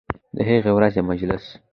د هغې ورځې مجلس